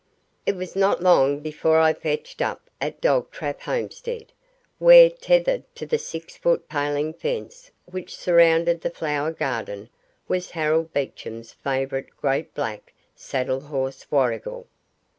It was not long before I fetched up at Dogtrap homestead, where, tethered to the "six foot" paling fence which surrounded the flower garden, was Harold Beecham's favourite, great, black, saddle horse Warrigal.